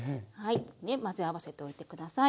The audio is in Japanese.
混ぜ合わせておいて下さい。